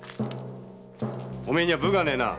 お前には分がねえな。